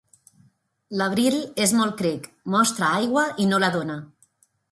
L'abril és molt cric: mostra aigua i no la dona.